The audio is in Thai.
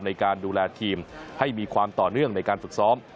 ในการดูแลทีมให้มีความต่อเนื่องในการฝึกซ้อม